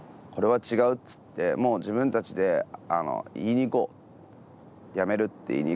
これは違うっつってもう自分たちで言いに行こう。